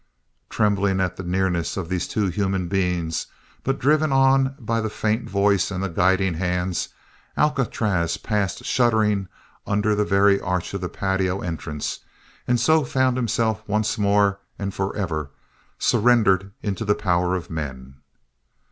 Trembling at the nearness of these two human beings, but driven on by the faint voice, and the guiding hands, Alcatraz passed shuddering under the very arch of the patio entrance and so found himself once more and forever surrendered into the power of men!